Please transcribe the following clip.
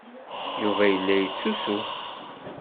Yuba yella yettusu.